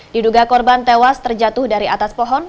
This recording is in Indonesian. diduga korban tewas terjatuh dari atas pohon